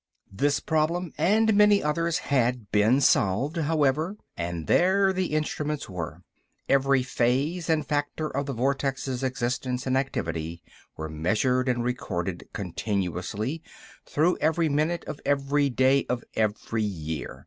This problem and many others had been solved, however, and there the instruments were. Every phase and factor of the vortex's existence and activity were measured and recorded continuously, throughout every minute of every day of every year.